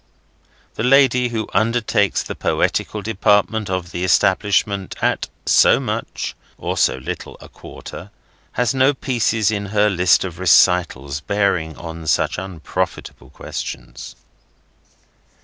The lady who undertakes the poetical department of the establishment at so much (or so little) a quarter has no pieces in her list of recitals bearing on such unprofitable questions.